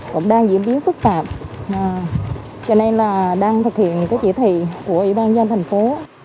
cũng đang diễn biến phức tạp cho nên là đang thực hiện cái chỉ thị của ủy ban dân thành phố